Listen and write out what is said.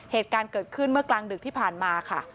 เหตุการณ์เกิดขึ้นเมื่อกลางดึกที่ผ่านมาค่ะ